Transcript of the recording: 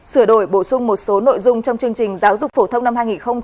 sửa đổi bổ sung một số nội dung trong chương trình giáo dục phổ thông năm hai nghìn một mươi tám